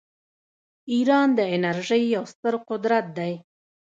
ایران د انرژۍ یو ستر قدرت دی.